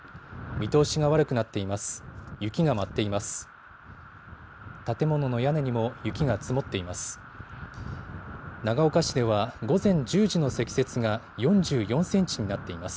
見通しが悪くなっています。